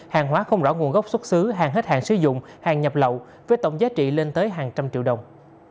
hàng hóa không rõ nguồn gốc xuất xứ hàng hết hạn sử dụng hàng nhập lậu với tổng giá trị lên tới hàng trăm triệu đồng